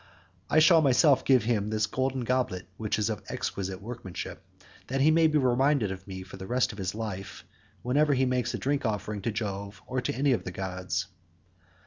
I shall myself give him this golden goblet—which is of exquisite workmanship—that he may be reminded of me for the rest of his life whenever he makes a drink offering to Jove, or to any of the gods."